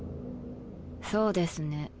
そうですね。